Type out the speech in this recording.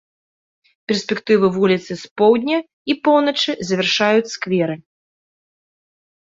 Перспектыву вуліцы з поўдня і поўначы завяршаюць скверы.